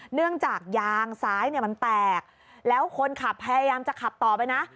เนื่องจากยางซ้ายเนี่ยมันแตกแล้วคนขับพยายามจะขับต่อไปนะ